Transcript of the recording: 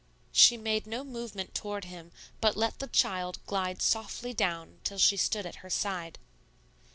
She made no movement toward him, but let the child glide softly down till she stood at her side.